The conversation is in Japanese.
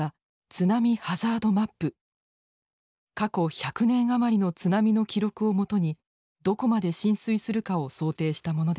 過去１００年余りの津波の記録を基にどこまで浸水するかを想定したものでした。